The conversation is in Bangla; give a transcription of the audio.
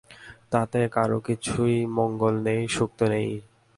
তাতে কারো কিছুই মঙ্গল নেই, সুখ তো নেইই।